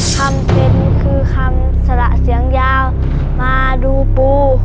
เพ้นคือคำสละเสียงยาวมาดูปู